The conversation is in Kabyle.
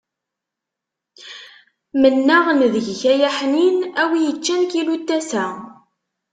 Mennaɣ-n deg-k ay aḥnin, a wi yeččan kilu n tasa.